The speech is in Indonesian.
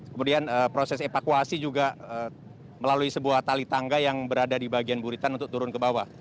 kemudian proses evakuasi juga melalui sebuah tali tangga yang berada di bagian buritan untuk turun ke bawah